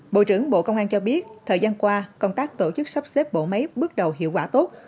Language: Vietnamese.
bộ trưởng bộ công an cho biết thời gian qua công tác tổ chức sắp xếp bộ máy bước đầu hiệu quả tốt